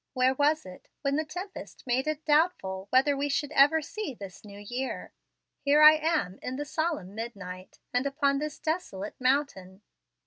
Where was it when the tempest made it doubtful whether we should ever see this new year? Here I am in the solemn midnight, and upon this desolate mountain.